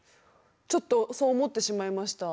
ちょっとそう思ってしまいました。